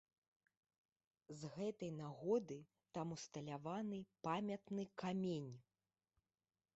З гэтай нагоды там усталяваны памятны камень.